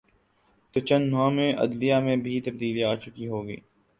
تو چند ماہ میں عدلیہ میں بھی تبدیلی آ چکی ہو گی۔